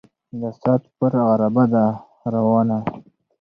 د ساعت پر عرابه ده را روانه